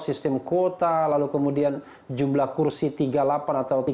sistem kuota lalu kemudian jumlah kursi tiga puluh delapan atau tiga